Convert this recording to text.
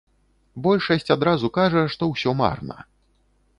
Большасць адразу кажа, што ўсё марна.